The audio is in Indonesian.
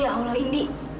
ya allah indy